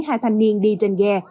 hai thanh niên đi trên ghe